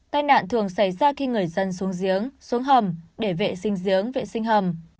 tai nạn thường xảy ra khi người dân xuống giếng xuống hầm để vệ sinh giếng vệ sinh hầm